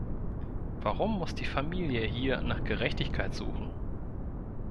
Warum muss die Familie hier nach Gerechtigkeit suchen?